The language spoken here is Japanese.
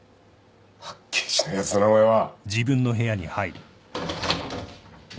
はっきりしないやつだなお前は。